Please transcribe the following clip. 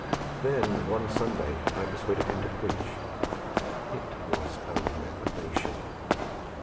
Then one Sunday I persuaded him to preach. It was a revelation.